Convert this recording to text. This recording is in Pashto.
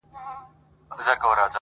در بخښلی په ازل کي یې قدرت دئ٫